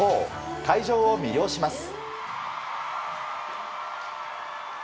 会場を魅了します。